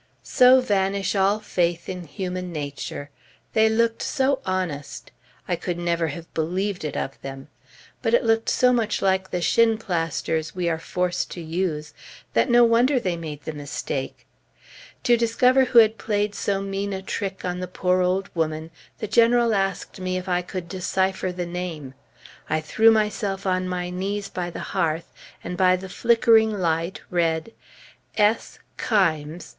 So vanish all faith in human nature! They looked so honest! I could never have believed it of them! But it looked so much like the "shinplasters" we are forced to use, that no wonder they made the mistake. To discover who had played so mean a trick on the poor old woman, the General asked me if I could decipher the name. I threw myself on my knees by the hearth, and by the flickering light read "S. Kimes.